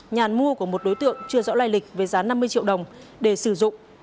nhàn mua của một đối tượng chưa rõ loài lịch với giá năm mươi triệu đồng để sử dụng